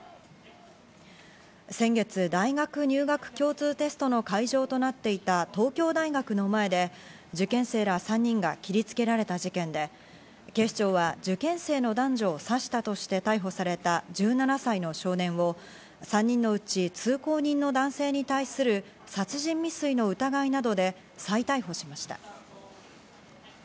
先月、大学入学共通テストの会場となっていた東京大学の前で受験生ら３人が切りつけられた事件で、警視庁は受験生の男女を刺したとして逮捕された１７歳の少年を３人のうち、通行人の男性に対する殺人未遂の疑いなどで再逮捕しました。